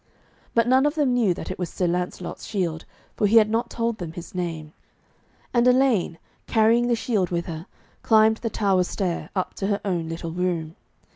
But none of them knew that it was Sir Lancelot's shield, for he had not told them his name. And Elaine, carrying the shield with her, climbed the tower stair, up to her own little room.